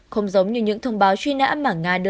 không giống như những thông báo truy nã